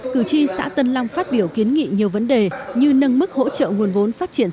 cử tri xã tân long phát biểu kiến nghị nhiều vấn đề như nâng mức hỗ trợ nguồn vốn phát triển